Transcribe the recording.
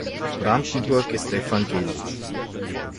Brandenburg ist evangelisch.